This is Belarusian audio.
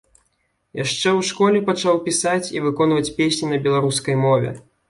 Яшчэ ў школе пачаў пісаць і выконваць песні на беларускай мове.